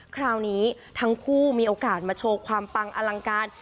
คราวนี้ทั้งคู่มีโอกาสมาโชว์ความปังอลังการ